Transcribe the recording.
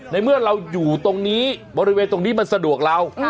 ในเมื่อเราอยู่ตรงนี้บริเวณตรงนี้มันสะดวกเรา